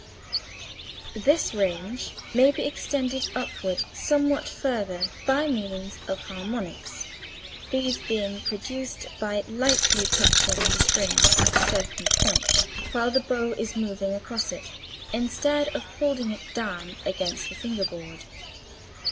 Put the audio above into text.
This range may be extended upward somewhat further by means of harmonics, these being produced by lightly touching the string at certain points (while the bow is moving across it) instead of holding it down against the finger board.